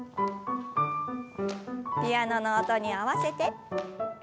ピアノの音に合わせて。